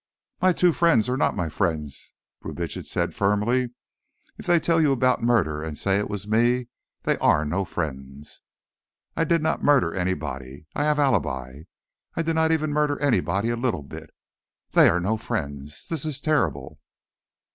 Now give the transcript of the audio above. "My two friends are not my friends," Brubitsch said firmly. "If they tell you about murder and say it was me, they are no friends. I did not murder anybody, I have alibi. I did not even murder anybody a little bit. They are no friends. This is terrible."